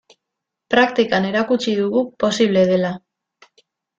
Praktikan erakutsi dugu posible dela.